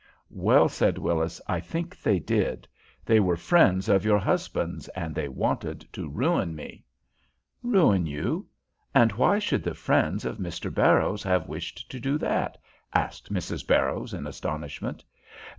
"Well," said Willis, "I think they did. They were friends of your husband's, and they wanted to ruin me." "Ruin you? And why should the friends of Mr. Barrows have wished to do that?" asked Mrs. Barrows, in astonishment.